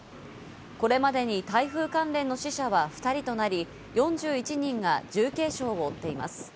これまでに台風関連の死者は２人となり、４１人が重軽傷を負っています。